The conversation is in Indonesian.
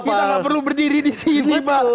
kita nggak perlu berdiri di sini pak